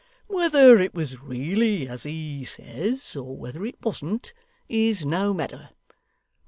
Whether it was really as he says, or whether it wasn't, is no matter.